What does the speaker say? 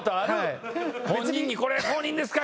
本人に公認ですか？